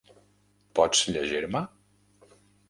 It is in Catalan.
Pots llegir-me?